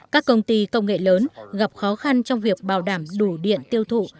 các công ty công nghệ lớn gặp khó khăn trong việc bảo đảm đủ điện tiêu thụ